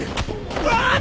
うわ！あっ。